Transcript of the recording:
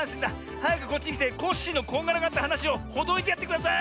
はやくこっちきてコッシーのこんがらがったはなしをほどいてやってください！